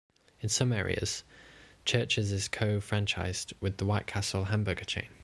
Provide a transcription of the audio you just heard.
In some areas, Church's is co-franchised with the White Castle hamburger chain.